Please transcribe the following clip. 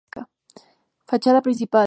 Fachada Principal.